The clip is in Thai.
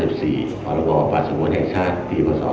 ปฏิบัติสมุนแห่งชาติปีประสอบ๒๕๐๗